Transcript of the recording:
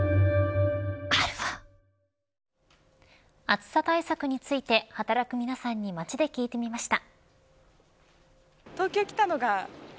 暑さ対策について働く皆さんに街で聞いてみました。